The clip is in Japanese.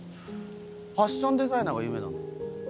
ファッションデザイナーが夢なの？